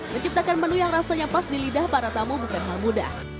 menciptakan menu yang rasanya pas di lidah para tamu bukan hal mudah